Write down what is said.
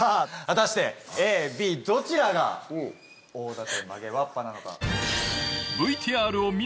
果たしてＡＢどちらが大館曲げわっぱなのか。